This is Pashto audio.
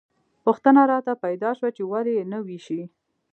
پوښتنه راته پیدا شوه چې ولې یې نه ویشي.